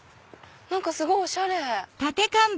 何かすごいおしゃれ！